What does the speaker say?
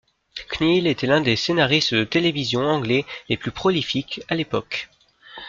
Kneale était l'un des scénaristes de télévision anglais les plus prolifiques à l'époque.